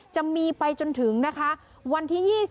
จะมีไปจนถึงนะคะวันที่๒๒